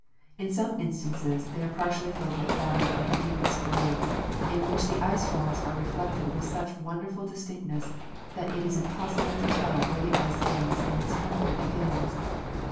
In some instances they are partially filled with water of the deepest blue, in Avhich the ice walls are reflected with such wonderful distinctness that it is impossible to tell where the ice ends and its counterfeit begins.